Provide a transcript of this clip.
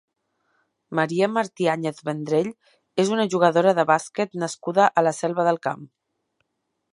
Maria Martiáñez Vendrell és una jugadora de bàsquet nascuda a la Selva del Camp.